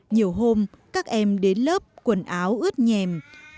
nhiều hôm các em đến lớp quần áo ướt nhèm